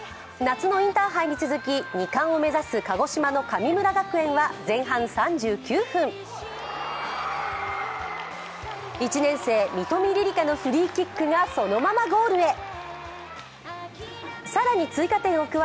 夏のインターハイに続き２冠を目指す鹿児島の神村学園は前半３９分、１年生・三冨りりかのフリーキックがそのままゴールへ。